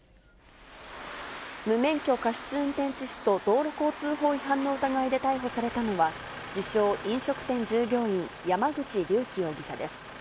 無免許過失運転致死と道路交通法違反の疑いで逮捕されたのは、自称飲食店従業員、山口竜己容疑者です。